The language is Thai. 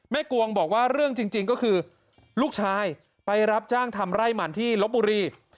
กวงบอกว่าเรื่องจริงก็คือลูกชายไปรับจ้างทำไร่มันที่ลบบุรี